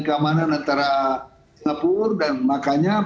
keamanan antara singapura dan makanya